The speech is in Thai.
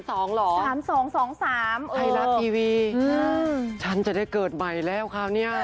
ไทยรัฐทีวีฉันจะได้เกิดใหม่แล้วคราวนี้